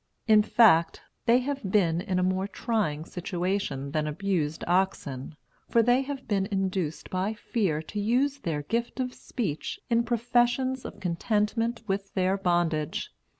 In fact, they have been in a more trying situation than abused oxen, for they have been induced by fear to use their gift of speech in professions of contentment with their bondage.